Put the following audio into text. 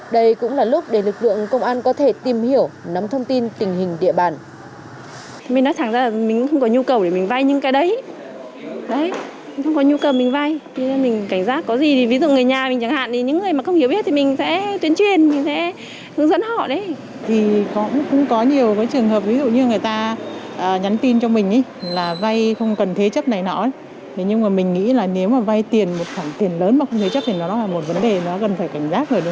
đây cũng là lúc để lực lượng công an có thể tìm hiểu nắm thông tin tình hình địa bàn